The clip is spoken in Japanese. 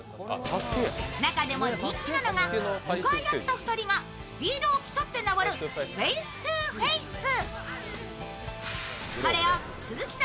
中でも人気なのが向かい合った２人がスピードを競って登るフェイストゥフェイス。